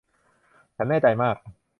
ฉันแน่ใจมาก